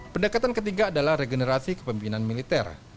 pendekatan ketiga adalah regenerasi kepemimpinan militer